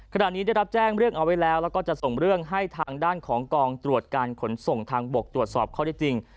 ขณะนี้ได้รับแจ้งเรื่องเอาไว้แล้วแล้วก็จะส่งเรื่องให้ทางด้านของกองตรวจการขนส่งทางบกตรวจสอบข้อได้จริง